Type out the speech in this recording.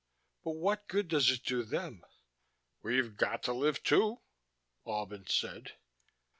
But what good does it do them?" "We've got to live, too," Albin said.